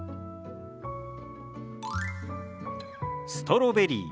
「ストロベリー」。